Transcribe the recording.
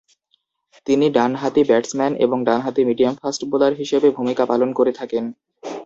তিনি ডানহাতি ব্যাটসম্যান এবং ডানহাতি মিডিয়াম ফাস্ট বোলার হিসেবে ভূমিকা পালন করে থাকেন।